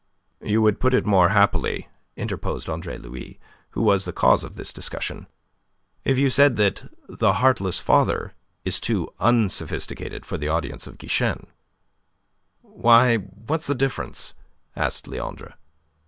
'" "You would put it more happily," interposed Andre Louis who was the cause of this discussion "if you said that 'The Heartless Father' is too unsophisticated for the audience of Guichen." "Why, what's the difference?" asked Leandre.